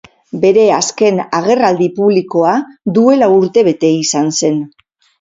Bere azken agerraldi-publikoa duela urtebete izan zen.